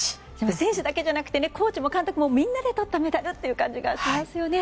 選手だけじゃなくてコーチも監督もみんなでとったメダルという感じがしますね。